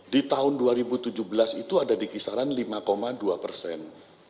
di tahun dua ribu tujuh belas itu ada di kisaran lima dua persen